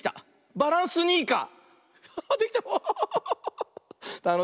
「バランスニーカー」！